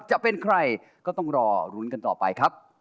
จะเป็นใครก็ต้องรอลุ้นกันต่อไปครับ